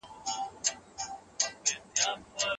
له هټیوال سره یې په هټۍ کې جګړه وکړه.